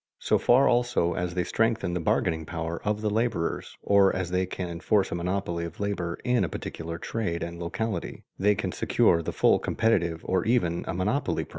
So far also as they strengthen the bargaining power of the laborers, or as they can enforce a monopoly of labor in a particular trade and locality, they can secure the full competitive or even a monopoly price.